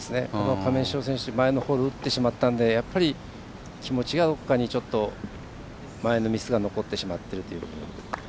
亀代選手、前のホール打ってしまったのでやっぱり気持ちがどこかに前のミスが残ってしまっている。